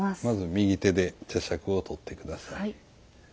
まず右手で茶杓を取って下さい。